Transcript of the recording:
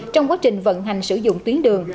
trong quá trình vận hành sử dụng tuyến đường